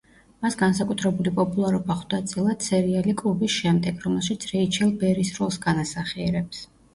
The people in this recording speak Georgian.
მას განსაკუთრებული პოპულარობა ხვდა წილად სერიალი კლუბის შემდეგ, რომელშიც რეიჩელ ბერის როლს განასახიერებს.